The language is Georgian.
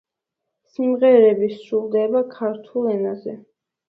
სიმღერები სრულდება ქართულ ენაზე.